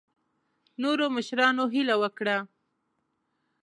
نورو مشرانو هیله وکړه.